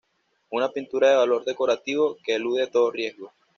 Una pintura de valor decorativo, que elude todo riesgo.